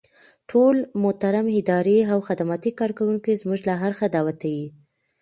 ټول محترم اداري او خدماتي کارکوونکي زمونږ له اړخه دعوت يئ.